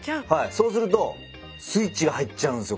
そうするとスイッチが入っちゃうんすよ